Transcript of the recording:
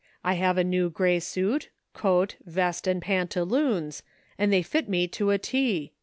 I have a new gray suit, coat, vest and pantaloons, and they fit me to a T.